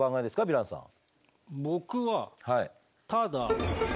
ヴィランさん。